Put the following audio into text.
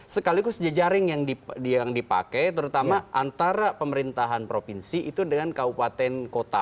sekaligus jejaring yang dipakai terutama antara pemerintahan provinsi itu dengan kabupaten kota